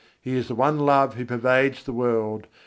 He is the One Love who Pervades the world.